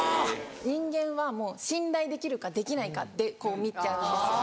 人間はもう信頼できるかできないかで見ちゃうんですよ。